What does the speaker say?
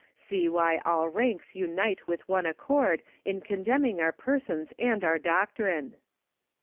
See why all ranks unite with one accord in condemning our persons and our doctrine!